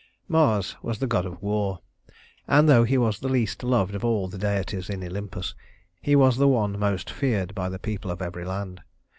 II Mars was the god of war; and though he was the least loved of all the deities in Olympus, he was the one most feared by the people of every land.